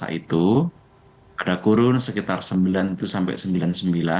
pemerintah kementerian keuangan berperkara dengan pt cmnp yang sahamnya bisa dimiliki siapapun karena berubah ubah